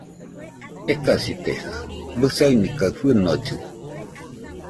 Ekasitesa, bɨsani kaɨ fɨnollɨ